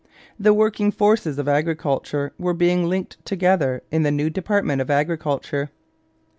The working forces of agriculture were being linked together in the new department of Agriculture.